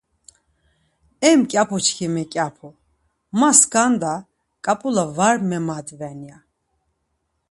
E mǩyapu çkimi mǩyapu, ma skanda ǩap̌ula var memadven ya.